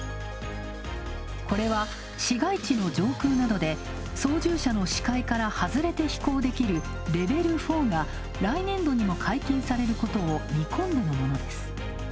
これは、市街地の上空などで操縦者の視界から外れて飛行できるレベル４が来年度にも解禁されることを見込んでのものです。